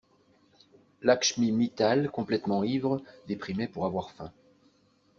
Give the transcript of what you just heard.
Lakshmi Mittal complètement ivre déprimait pour avoir faim.